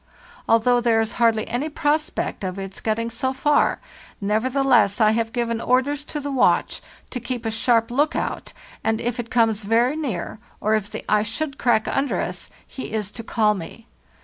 Although there is hardly any prospect of its getting so far, nevertheless I have given orders to the watch to keep a sharp lookout; and if it comes very near, or if the ice should crack under us, he is to call me.